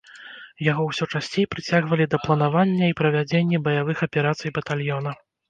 Яго ўсё часцей прыцягвалі да планавання і правядзенні баявых аперацый батальёна.